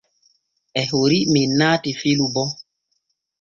E hori men naata filu bo.